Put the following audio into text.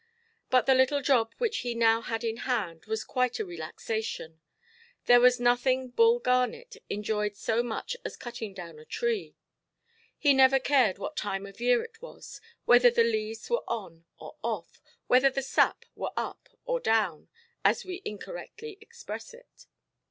But the little job which he now had in hand was quite a relaxation: there was nothing Bull Garnet enjoyed so much as cutting down a tree. He never cared what time of year it was, whether the leaves were on or off, whether the sap were up or down, as we incorrectly express it.